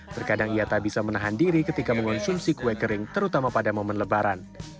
terkadang ia tak bisa menahan diri ketika mengonsumsi kue kering terutama pada momen lebaran